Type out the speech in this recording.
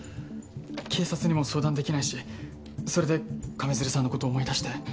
警察にも相談できないしそれで上水流さんのことを思い出して。